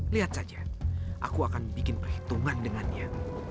lihat saja aku akan bikin perhitungan dengannya